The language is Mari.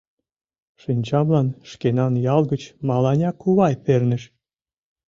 Шинчамлан шкенан ял гыч Маланя кувай перныш.